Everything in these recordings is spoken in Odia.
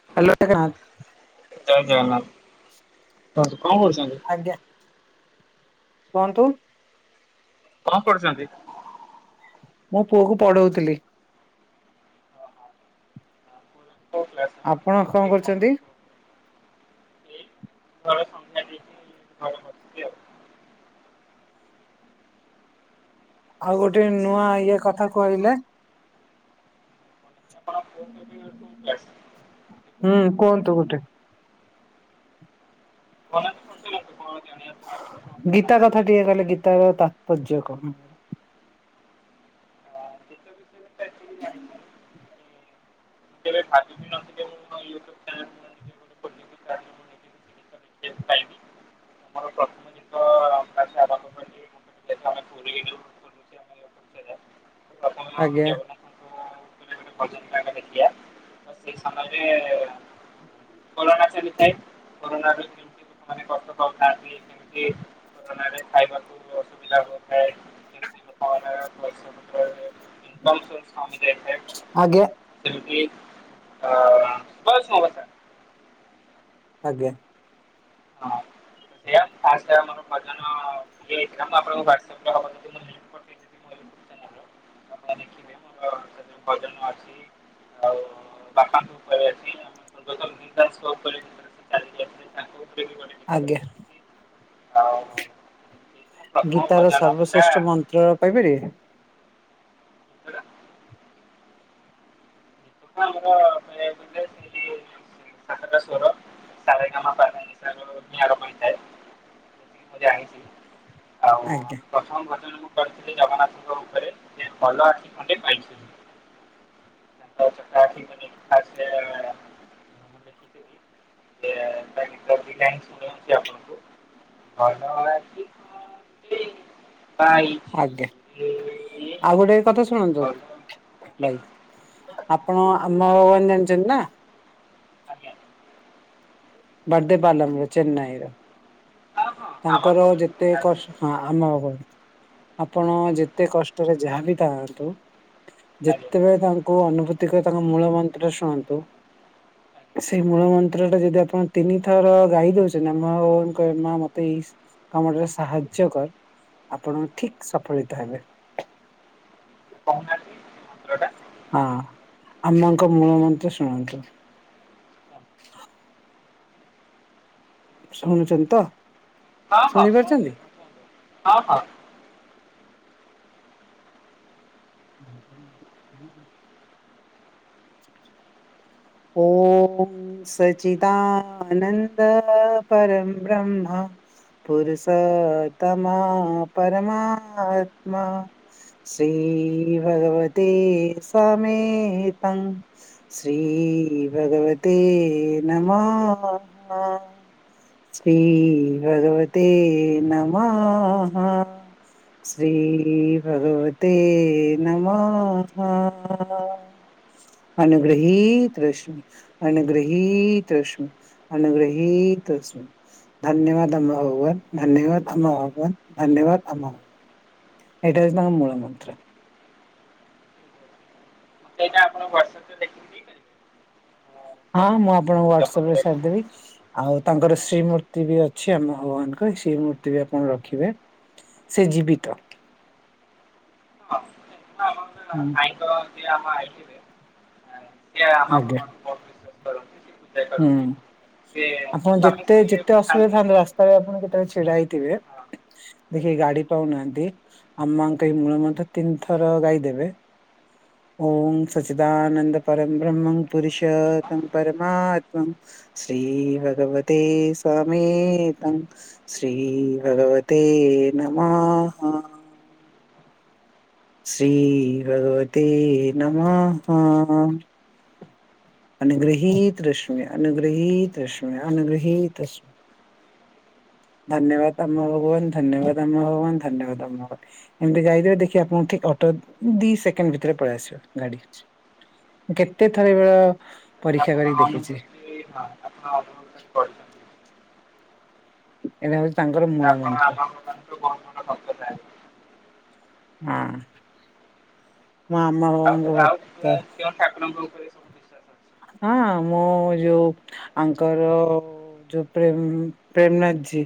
[inaudible] ଜୟ ଜଗନ୍ନାଥ। ହୁ କଣ କରୁଛନ୍ତି? ଆଜ୍ଞା। କୁହନ୍ତୁ। କଣ କରୁଛନ୍ତି? ମୋ ପୁଅକୁ ପଢଉଥିଲି। କୋଉ କ୍ଲାସ? ଆପଣ କଣ ଏଇ କରୁଛନ୍ତି? [unintelligible] ଘରେ ବସିଛି ଆଉ। ଆଉ ଗୋଟେ ନୂଆ ଇଏ କଥା କହିଲେ ଆପଣ ପୁଅ କେବେ କୋଉ କ୍ଲାସ? [unintelligible] ହୁଁ କୁହନ୍ତୁ ଗୋଟେ [unintelligible] ଗୀତା କଥା ଟିକେ କହିଲେ ଗୀତାର ତାତ୍ପର୍ଯ୍ୟ କଣ? [unintelligible] [unintelligible] ମୁଁ କେବେ ଭାବି ବି [unintelligible] [unintelligible] ଖୋଲିବି ତା ଦେହରେ ମୁଁ ନିଜେ କିଛି ଗୀତ ଲେଖିବାକୁ ପାଇବି ମୋର ପ୍ରଥମ ଗୀତ ଫାର୍ଷ୍ଟ ଆରମ୍ଭ କଲି ଯେହେତୁ ଆମେ ପୁରୀରୁ ଖୋଲୁଛେ ଆମେ ଓଡ଼ିଶାରେ ତ ପ୍ରଥମେ ମୁଁ ଆଜ୍ଞା। ଜଗନ୍ନାଥଙ୍କ ଉପରେ ଗୋଟେ ଭଜନ ନ ଦେଖଆ। ସେଇ ସମୟରେ [unintelligible] [unintelligible] [unintelligible] [unintelligible] [unintelligible] ଏଟା ଗୋଟେ [unintelligible] [unintelligible] ଆଜ୍ଞେ [unintelligible] ହଁ ବସ୍ ମୁ କଥା। ଆଜ୍ଞା। ହଁ ସେଇଆ ଫାଷ୍ଟ ଆମର ଭଜନ [unintelligible] ପଠେଇଦେବି ମୋ ୟୁଟ୍ୟୁବ୍ ଚ୍ୟାନେଲର ଆପଣ ଦେଖିବେ ମୋର ସେଥିରେ ଭଜନ ଅଛି ଆଉ ବାପାଙ୍କ ଉପରେ ଅଛି ଆମ ଉପରେ ଚାଲି ଯାଇଥିଲେ ତାଙ୍କ ଉପରେ ବି ଗୋଟେ ଗୀତଟେ ମୁଁ ଆଜ୍ଞା। ଲେଖିଛି ଆଉ ମୋ ପ୍ରଥମ ଗୀତାର ଭଜନ ଥିଲା ସର୍ବଶ୍ରେଷ୍ଠ ମନ୍ତ୍ର ପାଇପାରିବେ? ଗୀତଟା ହଁ। [unintelligible] ସାତଟା ସର। ସାରେ ଗାମା ପାଧା ନିଶା ରୁ ହିଁ ଆରଭ ହୋଇଥାଏ ମୁଁ ଜାଣିଛି। ଆଉ ଆଜ୍ଞା। ପ୍ରଥମ ଭଜନକୁ କରିଥିଲି ଜଗନ୍ନାଥଙ୍କ ଉପରେ ଯିଏ ଭଲ ଆଖି ଖଣ୍ଡେ ପାଇଚି। [inaudible] ସେୟା ଦୁଇ ଲାଇନ୍ ଗାଇକି ଶୁଣଉଚି ଆପଣଙ୍କୁ? ଭଲ ଆଖି ପାଇ ଆଜ୍ଞା ଆଉ ଗୋଟେ କଥା ଶୁଣନ୍ତୁ? ଭଲ ଆଜ୍ଞା ଭାଇ ଆପଣ ଆମ [inaudible] ଜାଣିଛନ୍ତି ନା? ଆଜ୍ଞା ବାଦେ ପାଲମର ଚେନ୍ନାଇର। ହଁ ହଁ ଆମ ତାଙ୍କର ଭଗବାନଙ୍କୁ ଯେତେ ଜାଣିଛି। କଷ୍ଟ ହଁ ଆମ ହବ। ଆଜ୍ଞା ଆପଣ ଆଜ୍ଞା ଯେତେ କଷ୍ଟରେ ଯାହା ବିି ଥାଆନ୍ତୁ। ଆଜ୍ଞା ଯେତେବେଳେ ତାଙ୍କୁ ଅନୁଭୂତି କରି ତାଙ୍କ ମୂଳ ମନ୍ତ୍ର ଶୁଣନ୍ତୁ। ଆଜ୍ଞା। ସେଇ ମୂଳ ମନ୍ତ୍ର ଟା ଯଦି ଆପଣ ତିନିଥର ଗାଇ ଦଉଛନ୍ତି। ଆମ ଉଙ୍କ ମା ମ ତ ଏଇ କାମଟିରେ ସାହାଯ୍ୟ କର ଆପଣ ଆଜ୍ଞା ଠିକ ସଫଳିତ ହେବେ? କହୁନାହାନ୍ତି। ମନ୍ତ୍ର ଟା ହଁ ଆଉ ଆମାଙ୍କ ମୂଳ ମନ୍ତ୍ର ଶୁଣନ୍ତୁ। ଶୁଣୁଚନ୍ତି ତ? ହଁ ହଁ ଶୁଣିପାରୁଛନ୍ତି? ଶୁଣୁଚି ମୁଁ ଶୁଣିଚି ହଁ ହଁ। ହୁଁ ହୁଁବେ। ଓମ୍ ସଚିତାନନ୍ଦ ପରମ ବ୍ରହ୍ମ ପୁରୁଷତମା ପରମାତ୍ମା ଶ୍ରୀ ଭଗବତେ ସମେତମ୍ ଶ୍ରୀ ଭଗବତେ ନମ୍ଃ। ଶ୍ରୀ ଭଗବତେ ନମ୍ଃ। ଶ୍ରୀ ଭଗବତେ ନମ୍ଃ। ଅନୁଗୃହୀତସ୍ମେ ଅନୁଗୃହୀତସ୍ମେ ଅନୁଗୃହୀତସ୍ମେ। ଧନ୍ୟବାଦ ଆମହବ ଧନ୍ୟବାଦ ଆମହବ ଧନ୍ୟବାଦ ଆମ। ଏଇଟା ହଉଚି ତାଙ୍କ ମୂଳ ମନ୍ତ୍ର। ସେଇଟା ଆପଣ ହ୍ୱାଟସପରେ ଦେଖିକିପିବେ। ହଁ ମୁଁ ଆପଣଙ୍କୁ ହ୍ଵାଟ୍ସଆପରେ ସାରିଦେବି‌। ଆଉ ତାଙ୍କର ଶ୍ରୀମୂର୍ତ୍ତି ବି ଅଛି ଆମ ଭଗବାନଙ୍କ ଶ୍ରୀମୂର୍ତ୍ତି ବି ଆପଣ ରଖିବେ। ସେ ଜୀବିତ। [inaudible] ହୁଁ। ଇଏ ଆମ ଆଇଥିବେ ସିଏ ଆମ ଆଜ୍ଞା ବିଶ୍ୱାସ କରନ୍ତି। ପୂଜା ହୁଁ କରନ୍ତି ସିଏ ଆପଣ ସ୍ୱାମୀ ଯେତେ ଯେତେ ସ୍ତ୍ରୀ ଅସୁବିଧା ଥାନ୍ତି ଥାଆନ୍ତୁ। ରାସ୍ ତଳେ ଆପଣ କେତେବେଳେ ଛିଡା ହେଇଥିବେ। ହଁ ଦେଖିବେ ଗାଡି ପାଉନାହାନ୍ତି ଆମାଙ୍କ ଏ ମୂଳ ମନ୍ତ୍ର ତିନି ଥର ଗାଈ ଦେବେ ଓଂ ସଚିଦାନନ୍ଦ ପରମ ବ୍ରହ୍ମଂ ପୁରୁଷମ ପରମା ଶ୍ରୀ ଭଗବତେ ସ୍ୱମେତମ୍। ଶ୍ରୀ ଭଗବତ ନମ୍ଃ। ଶ୍ରୀ ଭଗବତେ ନମ୍ଃ। ଅନୁଗୃହୀତସ୍ମେ ଅନୁଗୃହୀତସ୍ମେ ଅନୁଗୃହୀତସ୍ମେ। ଧନ୍ୟବାଦ ଆମା ଭଗବାନ ଧନ୍ୟବାଦ ଆମା ଭଗବାନ ଧନ୍ୟବାଦ ଆମା ଭାଗବାନ। ଏମିତି ଗାଇଦେବେ ଦେଖିବେ ଆପଣଙ୍କୁ ଠିକ ଅଟୋ ଦି ସେକେଣ୍ଡ ଭିତରେ ପଳେଇ ଆସିବ ଗାଡି। କେତେ ଥର ଏଭେଳିଆ [unintelligible] ଏବେ ହଉଚି ତାଙ୍କର ମୂଳ ମନ୍ତ୍ର ଆପଣ [unintelligible] ହୁଁ। ମା ମର। ଆ ଆଉ କେ ଠାକୁରଙ୍କ ଉପରେ ସବୁ ବିଶ୍ୱାସ ଅଛି? ହଁ ମୁଁ ଯୋଉ ଆଙ୍କର ଯୋଉ ପ୍ରେ ପ୍ରେମନାଥୀ ଜି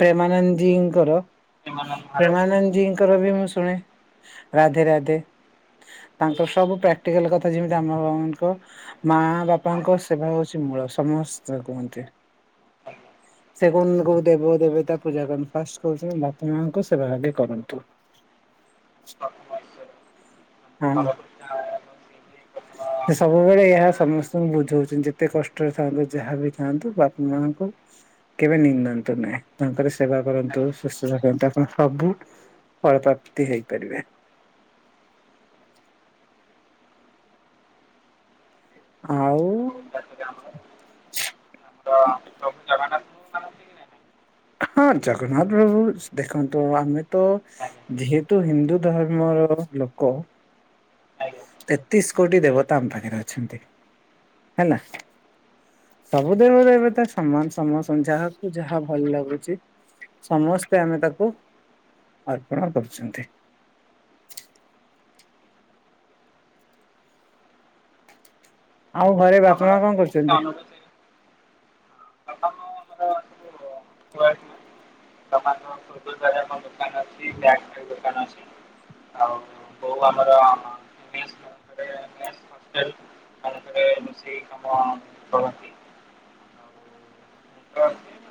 ଆଜ୍ଞା ଜୀଙ୍କର ପ୍ରେମାନନ୍ଦ ମହାରାଜ ଜୀ। ପ୍ରେମାନନ୍ଦ ଜୀଙ୍କର ବି ମୁଁ ଶୁଣେ ରାଧେ ରାଧେ। ତାଙ୍କର ସବୁ ପ୍ରାକ୍ଟିକାଲ କଥା ଯେମିତି ଆମ ବାବାନଙ୍କ ମା ହଁ ବାପାଙ୍କ ଆଜ୍ଞା। ସେବା ହଉଚି ମୂଳ ସମସ୍ତେ କୁହନ୍ତି। ହଜ ସେ କ କୋ ଦେବ ଦେବତା ପୂଜା କରନ୍ତ ଫାଷ୍ଟ କହୁଚନ୍ତି ବାପା ମାଙ୍କ ସେ ଆଗେ କରନ୍ତୁ। [inaudible] ହୁଁ। ନରକୃଷ୍ଣ ଏବଂ ସିଂହୀ ପ୍ରଥମ ସେ ସବୁବେଳେ ମାନେ ଏହା କହିବାକୁ ସମସ୍ତଙ୍କୁ ବୁଝଉଚନ୍ତି ଯେତେ କଷ୍ଟରେ ଥାଆନ୍ତୁ ଯାହାବି ଥାଆନ୍ତୁ ବାପା ମାଙ୍କୁ କେବେ ନିନ୍ଦନ୍ତୁ ନାହିଁ ତାଙ୍କର ସେବା ଗଲେ କରନ୍ତୁ ଆଜ୍ଞା। ସୁସ୍ଥ ରଖନ୍ତୁ ଆପଣ ସବୁ ଫଳପ୍ରାପ୍ତି ହେଇପାରିବେ। ଆଉ। ଯଦି ଆମର ତ ପ୍ରଭୁ ଜଗନ୍ନାଥ ଜଗନ୍ନାଥ ବାବୁ ଦେଖନ୍ତୁ ଆମେ ତ ଆଜ୍ଞା ଯେହେତୁ ହିନ୍ଦୁ ଧର୍ମର ଲୋକ ଆଜ୍ଞା। ତେତିଶି କୋଟି ଦେବତା ଆମ ପାଖରେ ଅଛନ୍ତି ହେଲା। ସବୁ ଦେବେ ଦେବତା ସମାନ ସମସ୍ତ ଯାହାକୁ ଯାହା ଭଲ ଲାଗୁଚି ସମସ୍ତେ ଆମେ ତାକୁ ଅର୍ପଣ କରୁଛନ୍ତି। ଆଉ ଘରେ ବାପା ମା ଜଗନ୍ନାଥଙ୍କ କଣ ପାଇଁ କରୁଛନ୍ତି। ହଁ [unintelligible] ଦୋକାନ ଅଛି ବ୍ୟାଗ [unintelligible] ଆଉ ବୋଉ ଆମର [unintelligible] [unintelligible] ହୋଟେଲ ତାପରେ ମିଶେଇ କାମ କରନ୍ତି।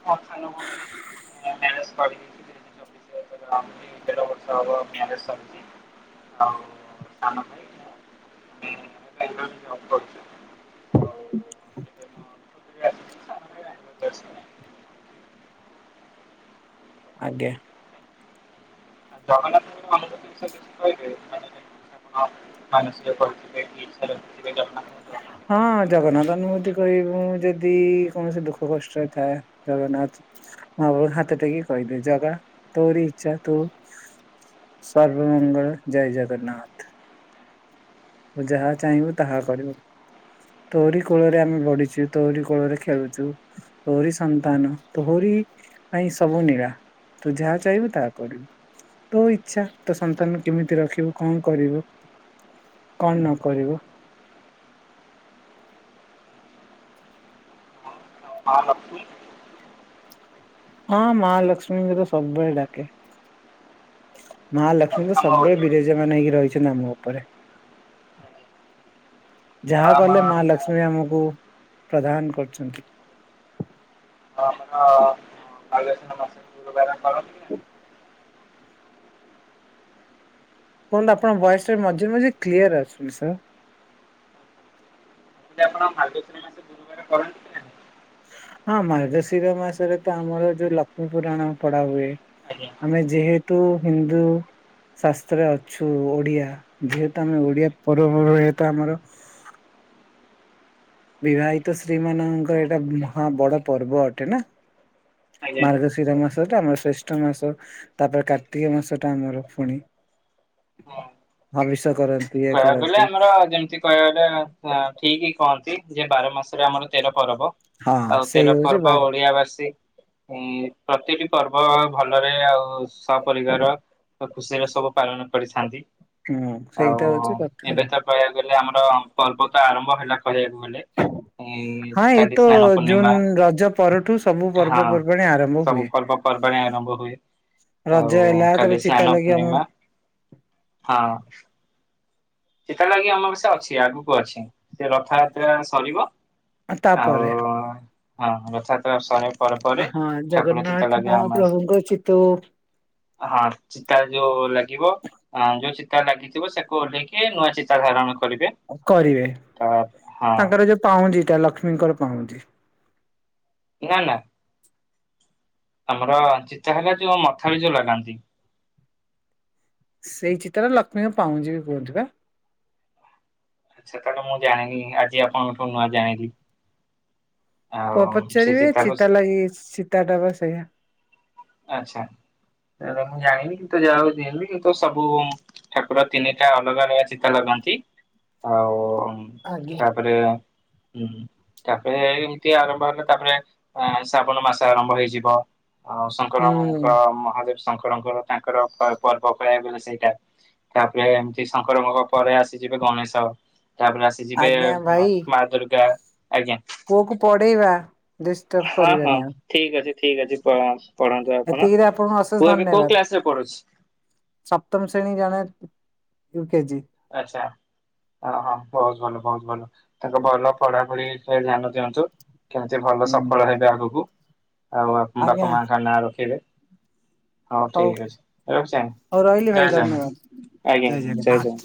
[unintelligible] [unintelligible] ଦେଢ ବର୍ଷ ହବ ମାରେଜ ଶର୍ଚି ଆଉ ସାନ ଭାଇ [unintelligible] ଏବେ ମୋ ଖୁଡ଼ିରେ ଆସିଛି ସାନ ଭାଇ ବାଙ୍ଗଲୋରରେ ଅଛି। ଆଜ୍ଞା। ଜଗନ୍ନାଥଙ୍କୁ ମନେପକେଇ ସେ ବିସରେ କିଛି କଇବେ ମାନସିକ କର୍ଥିବେ କି [unintelligible] ହଁ ଜଗନ୍ନାଥ କେମିତି ଜଗନ୍ନାଥଙ୍କୁ ପୂରଣ କରିଥିବେ କହିବୁ ଯଦି କୌଣସି ଦୁଃଖ କଷ୍ଟରେଇ ଥାଏ। ଜଗନ୍ନାଥ ଆଗକୁ ହାତ ଟେକି କହିବେ ଜଗା ତୋରି ଇଚ୍ଛା ତୁ ସର୍ବ ମଙ୍ଗଳ ଜୟ ଜଗନ୍ନାଥ। ଯାହା ଚାହିଁବୁ ତାହା କରିବୁ। ତୋରି କୋଳରେ ଆମେ ବଢିଚୁ ତୋରି କୋଳରେ ଖେଳୁଚୁ। ତୋହରି ସନ୍ତାନ ତୋହରି ପାଇଁ ସବୁ ନୀଳା। ତୁ ଯାହା ଚାହିଁବୁ ତାହା କରିବୁ ତୋ ଇଚ୍ଛା ତୋ ସନ୍ତାନ କେମିତି ରଖିବୁ କଣ କରିବୁ। କଣ ନକରିବୁ। ମହା ଲକ୍ଷ୍ମୀ। ହଁ ମାହା ଲକ୍ଷ୍ମୀଙ୍କର ସବୁବେଳେ ଡାକେ ମାହା ଲକ୍ଷ୍ମୀ ଆଉ କିନ୍ତୁ ଆମ ସବୁବେଳେ ଓଡ଼ିଆ ବିରେଜା ମାନ ହେଇକି ରହିଚନ୍ତି ଆମ ଉପରେ। ଆଉ ଯାହା ଆମ କଲେ ମା ଲକ୍ଷ୍ମୀ ଆମକୁ ପ୍ରଦାନ କରୁଛନ୍ତି। ଆମର [unintelligible] କୁହନ୍ତୁ ଆପଣ ବଏସଟା ମଝିରେ ମଝିରେ କ୍ଲିୟର ଆସୁନି ସାର୍। ଯଦି ଆପଣ [unintelligible] ହଁ ମାର୍ଗଶିର ମାସରେ ତ ଆମର ଯୋଉ ଲକ୍ଷ୍ମୀ ପୁରାଣ ପଡ଼ା ହୁଏ। ଆଜ୍ଞା ଆମେ ଯେହେତୁ ହିନ୍ଦୁ ଶାସ୍ତ୍ରରେ ଅଛୁ ଓଡିଆ ଯେହେତୁ ଆମେ ଓଡିଆ ପର୍ବପର୍ବାଣି ତ ଆମର ବିବାହିତ ସ୍ତ୍ରୀ ମାନଙ୍କର ଏଇଟା ମହା ବଡ ପର୍ବ ଅଟେ ନା ଆଜ୍ଞା ମାର୍ଗ ଶୀର ମାସ ଟା ଆମର ଶ୍ରେଷ୍ଠ ମାସ ତାପରେ କାର୍ତ୍ତିକ ମାସ ଟା ଆମର ପୁଣି ହଁ ଭବିଷ୍ୟ କରନ କହିବାକୁ ଗଲେ ଆମର ଯେମିତି କହିବା ଗଲେ ଆ ଠିକ କହନ୍ତି ଯେ ବାର ମାସରେ ଆମର ତେର ପର୍ବ ହଁ ଆଉ ସେଇ ତେର ହଉଛି ପର୍ବ ବାର ଓଡିଆବାସୀ ଉଁ ପ୍ରତିଟି ପର୍ବ ଭଲରେ ଆଉ ସପରିବାର ଖୁସିରେ ସବୁ ପାଳନ କରିଥାନ୍ତି। ହଁ ଆଉ ସେଇଟା ହଉଛି କଥା। ଏବେ ତ କହିବାକୁ ଗଲେ ଆମର ପର୍ବତ ଆରମ୍ଭ ହେଲା କହିବାକୁ ଗଲେ ଉଁ ହଁ ଏଇ କାଲି ତ ସ୍ନାନ ଜୁନ ପୂର୍ଣ୍ଣିମା ରଜ ପରଠୁ ସବୁ ହଁ ପର୍ବପର୍ବାଣି ଆରମ୍ଭ ସବୁ ହୁଏ ପର୍ବ ପର୍ବାଣି ଆରମ୍ଭ ହୁଏ ରଜ ଆଉ ହେଲା କାଲି ତାପରେ ଚିତା ସ୍ନାନ ଲାଗି ଆମ ପୂର୍ଣ୍ଣିମା ହଁ। ସେତେ ଲଗି ଆମର ସେ ଅଛି ଆଗକୁ ଅଛି ସେ ରଥଯାତ୍ରା ସରିବ ଆଉ ତାପରେ ହଁ ରଥାଯାତ୍ରା ସଣି ପରେ ପରେ ହଁ ଠାକୁର ଚିତ ଜଗନ୍ନାଥ ଲାଗି ଅମବା ମହାପ୍ରଭୁଙ୍କ ଚିତଉ ହଁ ଚିତା ଯୋଉ ଲାଗିବ ଯୋଉ ଚିତା ଲାଗିଥିବ ସେକୁ ଓହ୍ଲେଇକି କିଏ ନୂଆ ଚିତା ଧାରଣ କରିବେ। କରିବେ ତା ହଁ ତାଙ୍କର ଯୋଉ ପାଉଁଜିଟା ଲକ୍ଷ୍ମୀଙ୍କର ପାଉଁଜି ନା ନା ଆମର ଚିତା ହେଲା ଯୋଉ ମଥାରେ ଯୋଉ ଲଗାନ୍ତି। ସେଇ ଚିତ୍ରରେ ଲକ୍ଷ୍ମୀଙ୍କ ପାଉଁଜି ବି କୁହନ୍ତି ବା ସେଟା ତ ମୁଁ ଜାଣିଲି ଆଜି ଆପଣଙ୍କଠୁ ନୂଆ ଜାଣିଲି। ଆଉ ପୁଅ ସେ ପଚାରିବେ ଚିତାକୁ ସେ ଚିତା ଲାଗି ଚିତାଟା ବା ସେଇଆ ଆଚ୍ଛା ତାଲେ ମୁଁ ଜାଣିନି କିନ୍ତୁ ତ ଯାହା ଜଣିଲି କି ତୁ ସବୁ ଠାକୁର ତିନିଟା ଅଲଗା ଅଲଗା ଚିତା ଲଗନ୍ତି ଆଉ ଆଜ୍ଞା। ତାପରେ ହଁ ତାପରେ ଏମତି ଆରମ୍ଭ ହେଲା ତାପରେ ଶ୍ରାବଣ ମାସ ଆରମ୍ଭ ହେଇଯିବ ଆଉ ସ ହୁଁ ଶଙ୍କରଙ୍କ ମହାଦେବ ଶଙ୍କରଙ୍କର ତାଙ୍କର ପର୍ବ ପଳବା ବଲେ ସେଇଟା ତାପରେ ଏମିତି ଶଙ୍କରଙ୍କ ପରେ ଆସିଯିବେ ଗଣେଶ ତାପରେ ଆସ ସେ ଯିବେ ଆଜ୍ଞା ଭାଇ ମା ଦୁର୍ଗା ଆଜ୍ଞା। ପୁଅକୁ ପଢେଇବା। ଡିଷ୍ଟର୍ବ ହଁ ହଁ କରିବାନି ଆଉ। ଠିକ ଅଛି ଠିକ ଅଛି ପଳା ପଢାନ୍ତୁ ଆପଣ ଏତିକିରେ ଆପଣଙ୍କୁ ଅଶେଷ ପୁଅ ଏବେ କୋଉ ଧନ୍ୟବାଦ କ୍ଲାସ ରେ ପଢୁଛି? ସପ୍ତମ ଶ୍ରେଣୀ ଜଣେ ୟୁ କେଜି ଆଚ୍ଛା। ଆଁ ହଁ ବହୁତ ଭଲ ବହୁତ ଭଲ ତାଙ୍କ ଭଲ ପଢାପଢି ବିଷୟରେ ଧ୍ୟାନ ଦିଅନ୍ତୁ। କେମିତି ଭଲ ସଫଳ ହେବେ ଆଗକୁ ଆଉ ବାପା ଆଜ୍ଞା ମାଙ୍କ ନାଁ ରଖିବେ ହଉ ଠିକ ଅଛି ରଖୁଛି ଆଜ୍ଞା ହଉ ରହିଲି ଭାଇ ଜୟ ଜଗ ଧନ୍ୟବାଦ ଆଜ୍ଞା ଜୟ ଜୟ